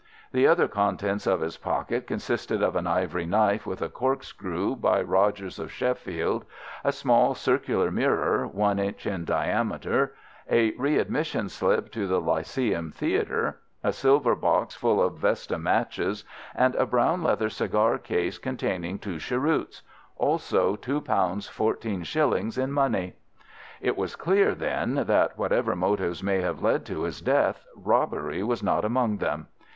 The other contents of his pocket consisted of an ivory knife with a corkscrew by Rodgers, of Sheffield; a small circular mirror, one inch in diameter; a re admission slip to the Lyceum theatre; a silver box full of vesta matches, and a brown leather cigar case containing two cheroots—also two pounds fourteen shillings in money. It was clear, then, that whatever motives may have led to his death, robbery was not among them.